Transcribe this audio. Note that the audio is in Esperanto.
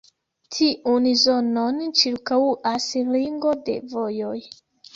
Tiun zonon ĉirkaŭas ringo de vojoj.